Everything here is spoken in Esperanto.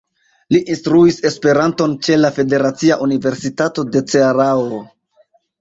Li instruis Esperanton ĉe la Federacia Universitato de Cearao.